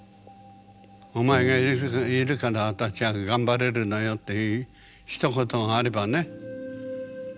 「お前がいるから私は頑張れるのよ」っていうひと言があればね別だったのね。